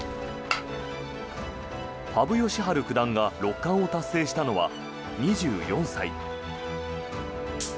羽生善治九段が六冠を達成したのは２４歳。